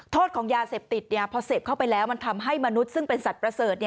โทษของยาเสพติดพอเสพเข้าไปแล้วมันทำให้มนุษย์ซึ่งเป็นสัตว์ประเสริฐ